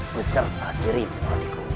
beserta dirimu adikku